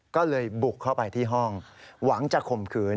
ก็เลยบุกเข้าไปที่ห้องหวังจะข่มขืน